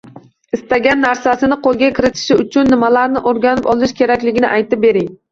Istagan narsasini qo‘lga kiritishi uchun nimalarni o‘rganib olishi kerakligini aytib bering.